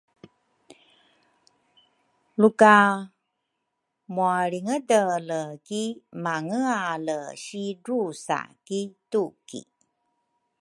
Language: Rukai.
Luka mwalringedele ki mangeale si drusa ki tuki